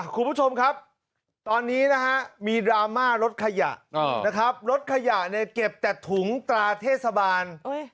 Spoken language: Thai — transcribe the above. คุณผู้ชมครับตอนนี้นะฮะมีดราม่ารถขยะนะครับรถขยะเนี่ยเก็บแต่ถุงตราเทศบาล